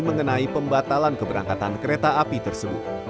mengenai pembatalan keberangkatan kereta api tersebut